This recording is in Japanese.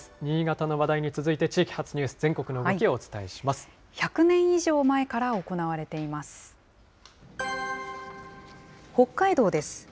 新潟の話題に続いて、地域発ニュ１００年以上前から行われています。